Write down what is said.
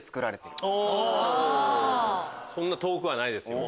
そんな遠くはないですよ。